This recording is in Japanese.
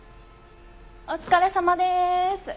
お疲れさまでーす！